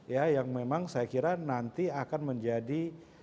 ya yang memang saya kira nanti akan menjadi